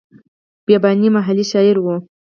بیاباني محلي شاعر دی.